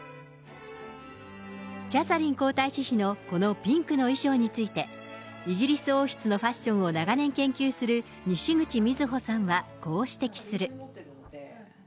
キャサリン皇太子妃のこのピンクの衣装について、イギリス王室のファッションを長年研究するにしぐち瑞穂さんはこう指摘する。